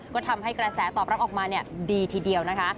ก็ทำให้กระแสตอบรับออกมาดีทีเดียวนะคะ